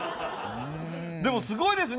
でも、すごいですね。